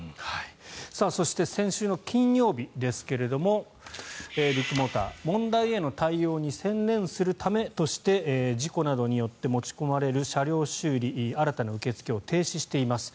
そして先週の金曜日ですがビッグモーター問題への対応に専念するためとして事故などによって持ち込まれる車両修理新たな受け付けを停止しています。